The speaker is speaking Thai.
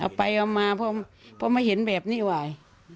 ไปเอามาเพราะไม่เห็นแบบนี้ไหว